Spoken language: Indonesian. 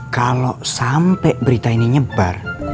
kalo sampe berita ini nyebar